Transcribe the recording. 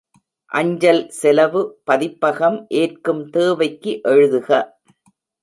அஞ்சல் செலவு பதிப்பகம் ஏற்கும் தேவைக்கு எழுதுக.